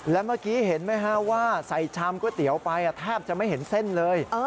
และเมื่อกี้เห็นไหมฮะว่าใส่ชามก๋วยเตี๋ยวไปแทบจะไม่เห็นเส้นเลย